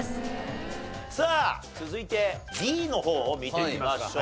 さあ続いてＤの方を見てみましょう。